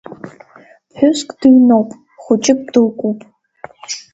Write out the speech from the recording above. Ԥҳәыск дыҩноуп, хәыҷык дылкуп.